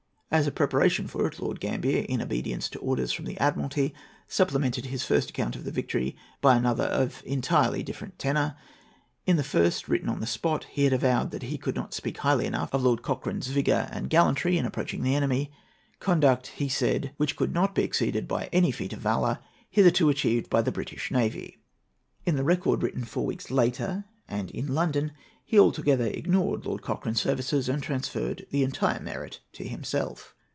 As a preparation for it, Lord Gambier, in obedience to orders from the Admiralty, supplemented his first account of the victory by another of entirely different tenour. In the first, written on the spot, he had avowed that he could not speak highly enough of Lord Cochrane's vigour and gallantry in approaching the enemy,—conduct, he said, "which could not be exceeded by any feat of valour hitherto achieved by the British Navy." In the record, written four weeks later and in London, he altogether ignored Lord Cochrane's services, and transferred the entire merit to himself.